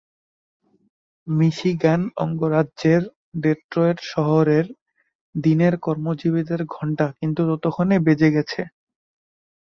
Michigan অঙ্গরাজ্যের Detroit শহরের দিনের কর্মজীবীদের ঘণ্টা কিন্তু ততক্ষণে বেজে গেছে।